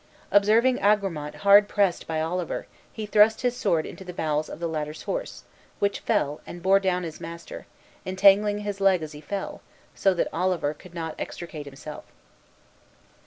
Observing Agramant hard pressed by Oliver, he thrust his sword into the bowels of the latter's horse, which fell, and bore down his master, entangling his leg as he fell, so that Oliver could not extricate himself.